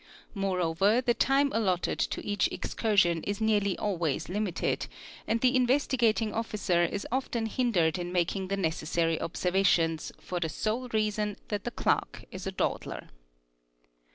Moreover the time allotted to each excursion is" nearly always limited, and the Investigating Officer is often hindered in making the necessary observations for the sole reason that the clerk is a dawdler.